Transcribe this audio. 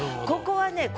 ここはね